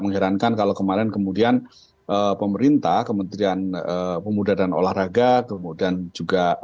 mengherankan kalau kemarin kemudian pemerintah kementerian pemuda dan olahraga kemudian juga